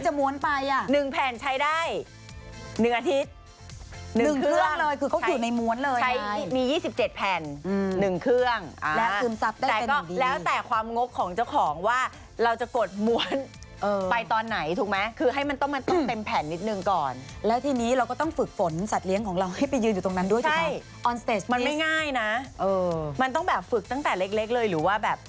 เจ็ดแผ่นอืมหนึ่งเครื่องอ่าแล้วซึมซับได้เป็นอย่างดีแล้วแต่ความงบของเจ้าของว่าเราจะกดม้วนเออไปตอนไหนถูกไหมคือให้มันต้องมันต้องเต็มแผ่นนิดหนึ่งก่อนแล้วทีนี้เราก็ต้องฝนสัตว์เลี้ยงของเราให้ไปยืนอยู่ตรงนั้นด้วยใช่ไหมใช่มันไม่ง่ายนะเออมันต้องแบบฝึกตั้งแต่เล็กเล็กเลยหรือว่